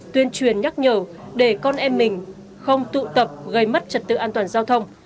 tuyên truyền nhắc nhở để con em mình không tụ tập gây mất trật tự an toàn giao thông